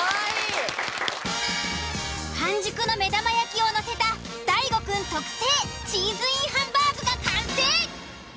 半熟の目玉焼きを載せた大悟くん特製チーズインハンバーグが完成！